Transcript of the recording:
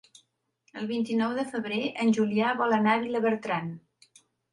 El vint-i-nou de febrer en Julià vol anar a Vilabertran.